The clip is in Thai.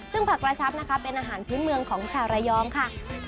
ซึ่งผักกระชับนะคะเป็นอาหารพื้นเมืองของชาวระยองค่ะ